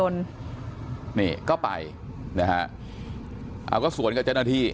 นี่ก็ไปนะฮะเอาก็สวนกับเจ้าหน้าที่